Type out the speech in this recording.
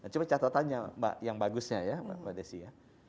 cuma catatan yang bagusnya ya mbak desi ya